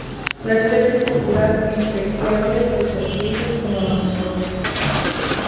La especie es popular entre criadores de serpientes como mascotas.